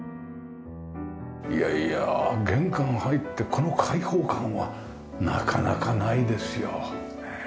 いやいや玄関入ってこの開放感はなかなかないですよ。